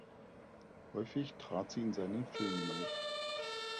Häufig trat sie in seinen Filmen auf.